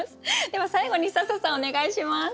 では最後に笹さんお願いします。